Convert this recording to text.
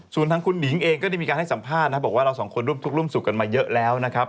ส่วนทางคุณหนิงเองก็ได้มีการให้สัมภาษณ์นะบอกว่าเราสองคนร่วมทุกข์ร่วมสุขกันมาเยอะแล้วนะครับ